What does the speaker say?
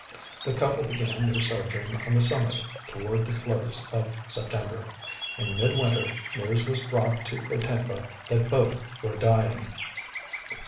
The couple began their sojourn on the summit toward the close of September. In midwinter news was brought to Gotemba that both were dying.